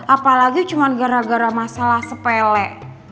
apalagi cuma gara gara masalah sepele